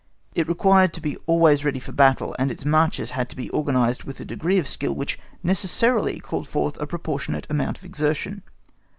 It required to be always ready for battle, and its marches had to be organised with a degree of skill which necessarily called forth a proportionate amount of exertion.